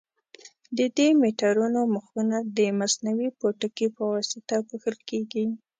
د دې میټرونو مخونه د مصنوعي پوټکي په واسطه پوښل کېږي.